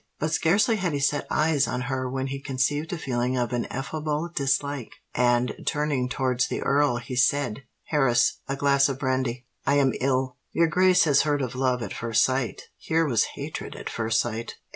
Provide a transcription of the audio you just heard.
But scarcely had he set eyes on her when he conceived a feeling of ineffable dislike; and, turning towards the Earl, he said, 'Harris, a glass of brandy—I am ill!' Your grace has heard of love at first sight: here was hatred at first sight.